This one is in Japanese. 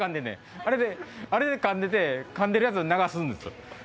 あれだけかんでてかんでるやつ流すんです。